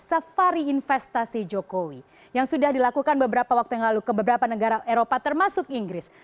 safari investasi jokowi yang sudah dilakukan beberapa waktu yang lalu ke beberapa negara eropa termasuk inggris